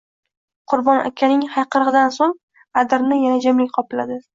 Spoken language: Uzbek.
Qurbon akaning hayqirig‘idan so‘ng adirni yana jimlik qopladi.